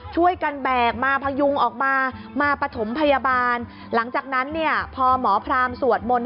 ช่วยกันแบกมาพยุงออกมามาประถมพยาบาลหลังจากนั้นเนี่ยพอหมอพรามสวดมนตร์